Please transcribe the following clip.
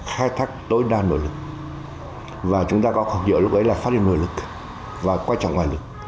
khai thác tối đa nội lực và chúng ta có khẳng định lúc đấy là phát huy nội lực và quan trọng ngoại lực